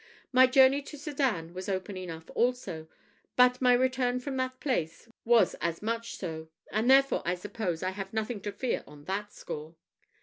My journey to Sedan was open enough also; but my return from that place was as much so; and therefore, I suppose, I have nothing to fear on that score."